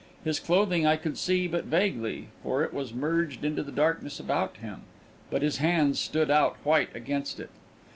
His clothing I could see but vaguely, for it was merged into the darkness about him, but his hands stood out white against it.